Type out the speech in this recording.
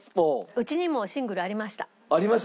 うちにもシングルありました。